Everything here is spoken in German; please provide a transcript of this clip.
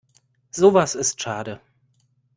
Sowas ist schade.